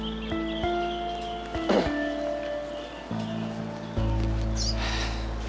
tidak jangan main main